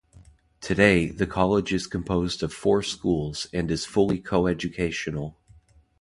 Today, the College is composed of four schools and is fully coeducational.